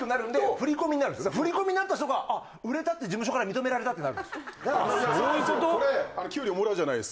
振り込みになった人があっ売れたって事務所から認められたってなるんですあっ